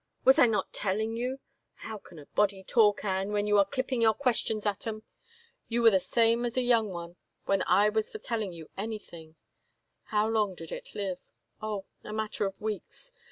" Was I not telling you ? How can a body talk, Anne, when you are clipping your questions at 'em ? You were the same as a young one when I was for telling you 173 THE FAVOR OF KINGS anything. ... How long did it live? Oh, a matter of weeks.